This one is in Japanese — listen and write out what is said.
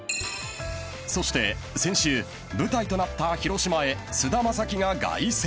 ［そして先週舞台となった広島へ菅田将暉が凱旋］